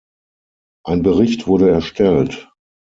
Ein Bericht wurde erstellt.